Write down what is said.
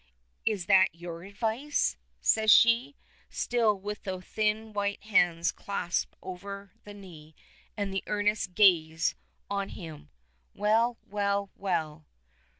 "Is that your advice?" says she, still with the thin white hands clasped over the knee, and the earnest gaze on him. "Well, well, well!"